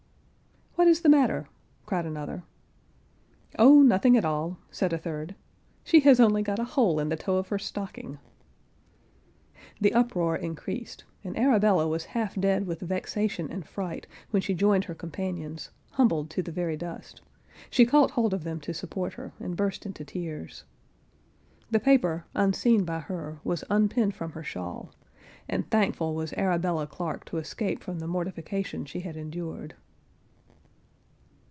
"What is the matter?" cried another. "O, nothing at all," said a third, "she has only got a hole in the toe of her stocking."—The uproar increased, and Arabella was half dead with vexation and fright, when she joined her companions, humbled to the very dust, she caught hold of them to support her, and burst into tears. The paper, un[Pg 54]seen by her, was unpinned from her shawl, and thankful was Arabella Clarke to escape from the mortification she had endured.